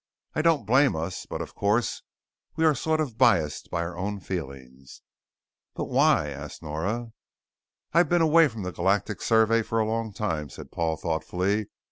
I don't blame us, but of course, we are sort of biased by our own feelings." "But why?" asked Nora. "I've been away from the Galactic Survey for a long time," said Paul thoughtfully.